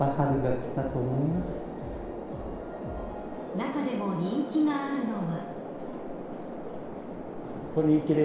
中でも人気があるのは。